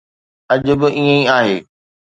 اڄ به ائين ئي آهي.